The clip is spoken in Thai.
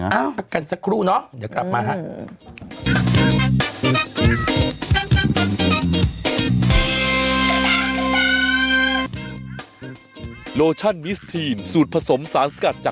พักกันสักครู่เนาะเดี๋ยวกลับมาฮะ